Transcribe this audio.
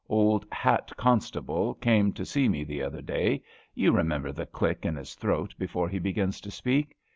Old Hat " Constable came to see me the other day. You remember the click in his throat before he begins to speak.